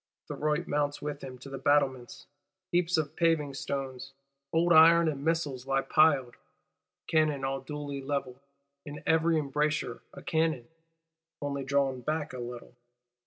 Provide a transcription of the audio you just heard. Thuriot mounts with him to the battlements: heaps of paving stones, old iron and missiles lie piled; cannon all duly levelled; in every embrasure a cannon,—only drawn back a little!